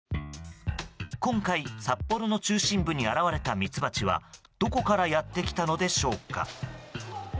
今回、札幌の中心部に現れたミツバチはどこからやってきたのでしょうか。